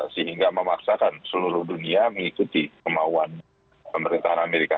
sehingga memaksakan seluruh dunia mengikuti kemauan pemerintahan joe biden